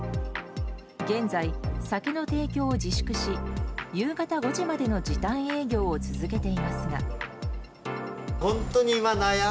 現在、酒の提供を自粛し夕方５時までの時短営業を続けていますが。